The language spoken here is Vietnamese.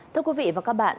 thưa quý vị và các bạn